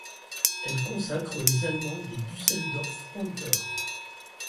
Elle sacre les Allemands des Düsseldorf Panther.